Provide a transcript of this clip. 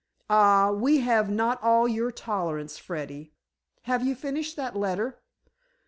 "Ah, we have not all your tolerance, Freddy. Have you finished that letter?"